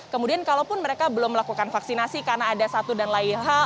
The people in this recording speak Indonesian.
kemudian kalaupun mereka belum melakukan vaksinasi karena ada satu dan lain hal